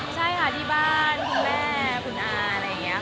ใช่ค่ะที่บ้านคุณแม่คุณอาอะไรอย่างนี้ค่ะ